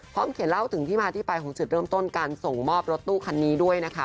เขียนเล่าถึงที่มาที่ไปของจุดเริ่มต้นการส่งมอบรถตู้คันนี้ด้วยนะคะ